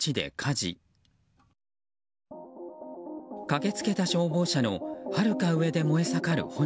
駆けつけた消防車のはるか上で燃え盛る炎。